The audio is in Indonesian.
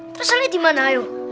terus salahnya dimana